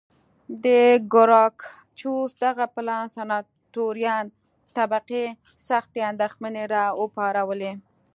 د ګراکچوس دغه پلان سناتوریال طبقې سختې اندېښنې را وپارولې